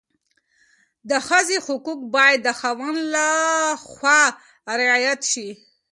د ښځې حقوق باید د خاوند لخوا رعایت شي.